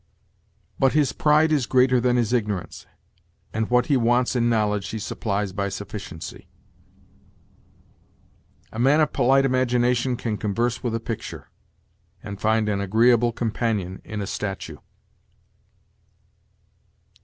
"But his pride is greater than his ignorance, and what he wants in knowledge he supplies by sufficiency." "A man of polite imagination can converse with a picture, and find an agreeable companion in a statue."